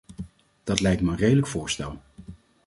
Dat lijkt me een redelijk voorstel.